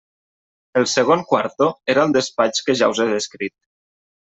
El segon quarto era el despatx que ja us he descrit.